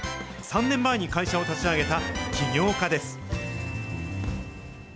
３年前に会社を立ち上げた起業家です。